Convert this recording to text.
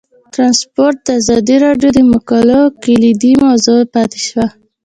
ترانسپورټ د ازادي راډیو د مقالو کلیدي موضوع پاتې شوی.